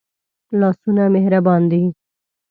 لاسونه مهربان دي